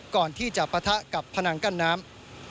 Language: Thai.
ก่อนที่จะปะทะกับผนังกั้นน้ำ